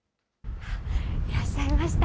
いらっしゃいました。